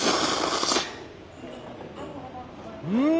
うん！